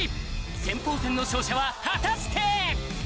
先鋒戦の勝者は果たして！？